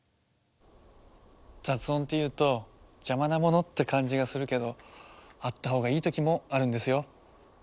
雑音っていうと邪魔なものって感じがするけどあったほうがいい時もあるんですよ。